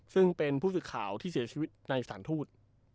ซึ่งเป็นผู้สื่อข่าวที่เสียชีวิตในสารทูต